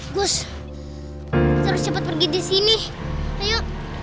gus kita harus cepat pergi disini ayo